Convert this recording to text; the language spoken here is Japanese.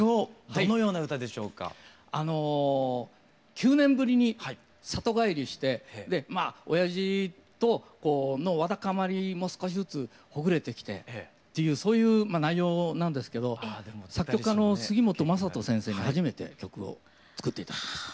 ９年ぶりに里帰りしておやじとのわだかまりも少しずつほぐれてきてっていうそういう内容なんですけど作曲家の杉本眞人先生に初めて曲を作って頂きました。